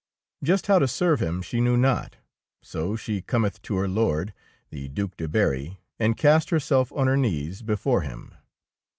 Just how to serve him she knew not; so she cometh to her Lord, the Due de Berry, and cast herself on her knees before him.